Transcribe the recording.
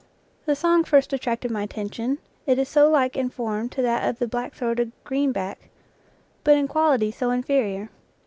The song first attracted my attention, it is so like in form to that of the black throated green back, but in quality so inferior.